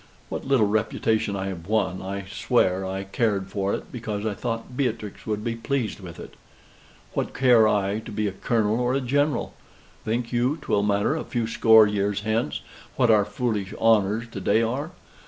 What little reputation I have won, I swear I cared for it because I thought Beatrix would be pleased with it. What care I to be a colonel or a general? Think you 'twill matter a few score years hence, what our foolish honors to day are?